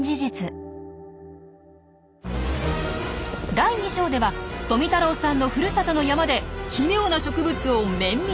第２章では富太郎さんのふるさとの山で奇妙な植物を綿密に観察。